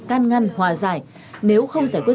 can ngăn hòa giải nếu không giải quyết